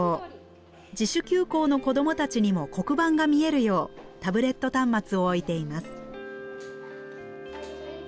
自主休校の子どもたちにも黒板が見えるようタブレット端末を置いています。